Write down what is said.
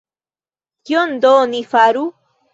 Kion do ni faru?